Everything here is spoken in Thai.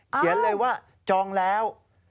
เขียนเลยว่าจองแล้ว